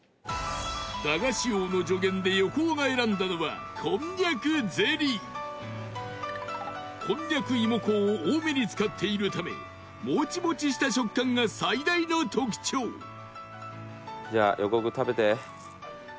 駄菓子王の助言で横尾が選んだのはこんにゃくゼリーこんにゃく芋粉を多めに使っているためもちもちした食感が最大の特徴トシ：じゃあ、横尾君、食べて。